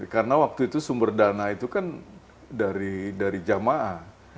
karena waktu itu sumber dana itu kan dari jamaah